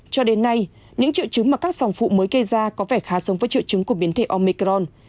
cho đến nay những triệu chứng mà các sòng phụ mới gây ra có vẻ khá giống với triệu chứng của biến thể omicron